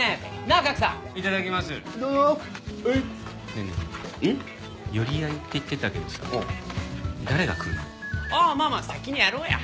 ああまあまあ先にやろうや。